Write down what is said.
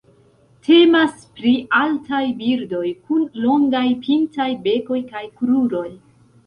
Temas pri altaj birdoj kun longaj pintaj bekoj kaj kruroj.